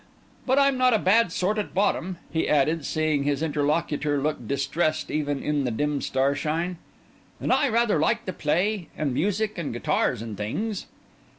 But I'm not a bad sort at bottom," he added, seeing his interlocutor looked distressed even in the dim starshine, "and I rather like the play, and music, and guitars, and things."